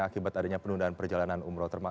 akibat adanya penundaan perjalanan umroh